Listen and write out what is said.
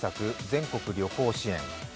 全国旅行支援。